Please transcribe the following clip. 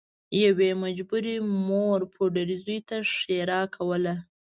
یوې مجبورې مور پوډري زوی ته ښیرا کوله